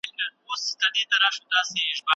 د دغې کیسې په پیل کي ډېر هیجان و.